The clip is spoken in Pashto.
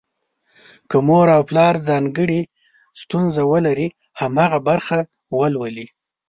که مور او پلار ځانګړې ستونزه ولري، هماغه برخه ولولي.